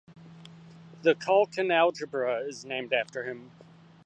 The Calkin algebra is named after him.